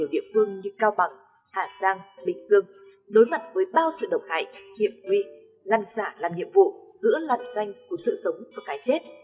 vương như cao bằng hạ giang bình dương đối mặt với bao sự độc hại hiệp huy ngăn xả làm nhiệm vụ giữa lặn danh của sự sống và cái chết